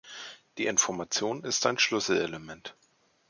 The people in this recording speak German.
Die Information ist ein Schlüsselelement.